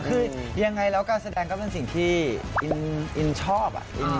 คือยังไงแล้วการแสดงก็เป็นสิ่งที่อินชอบ